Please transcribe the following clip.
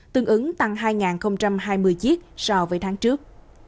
tương ứng tăng hai hai mươi chiếc so với tháng trước